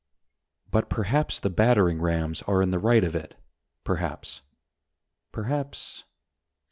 But perhaps the battering rams are in the right of it, Perhaps, perhaps